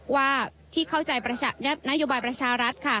ว่าที่เข้าใจนโยบายประชารัฐค่ะ